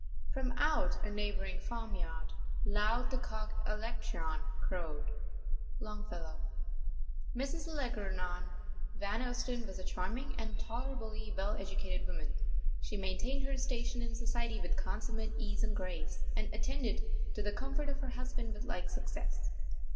" From out a neighboring farmyard Loud the cock Alectryon crowed." —Longfellow. Mrs. Algernon Van Ousten was a charming and tolerably well educated woman. She maintained her station in society with consummate ease and grace, and attended to the comfort of her husband with like success.